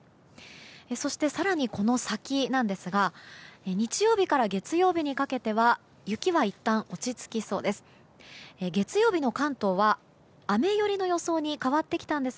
そして、更にこの先なんですが日曜日から月曜日にかけては雪はいったん落ち着きそうです。